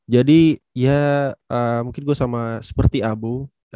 jadi ya mungkin gue sama seperti abu